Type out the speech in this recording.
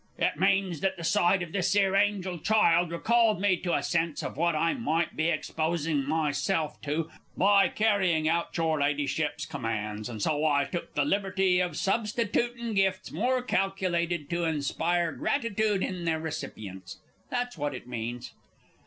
It means that the sight of this 'ere angel child recalled me to a sense of what I might be exposin' myself to by carrying out your Ladyship's commands; and so I took the liberty of substitootin gifts more calculated to inspire gratitude in their recipients that's what it means.